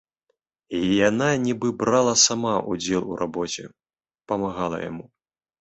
Яна нібы брала сама ўдзел у рабоце, памагала яму.